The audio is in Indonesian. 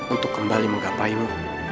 untuk kembali menggapainu